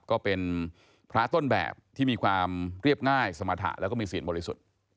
ก็เป็นพระต้นแบบที่มีความเรียบง่ายสมรรถะแล้วก็มีเสียงบริสุทธิ์